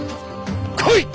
来い！